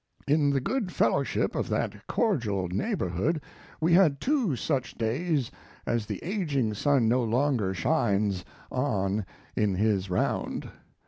In the good fellowship of that cordial neighborhood we had two such days as the aging sun no longer shines on in his round.